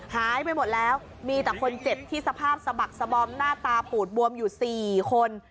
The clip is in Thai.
หายไปหมดแล้วมีแต่คนเจ็บที่สภาพสะบักสบอมหน้าตาปูดบวมอยู่๔คน